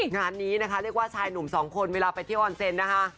งานนี้นะคะเรียกว่าชายหนุ่มสองคนเวลาไปเที่ยวออนเซนนะคะ